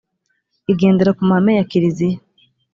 igendera ku mahame ya kiriziya.